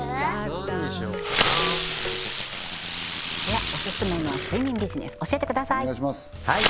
ではオススメの睡眠ビジネス教えてください